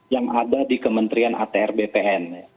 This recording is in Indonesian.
yang terubah di kementrian atr bpn